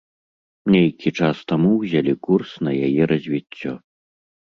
Нейкі час таму ўзялі курс на яе развіццё.